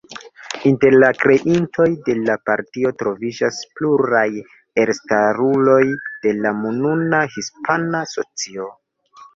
Inter la kreintoj de la partio troviĝas pluraj elstaruloj de la nuna hispana socio.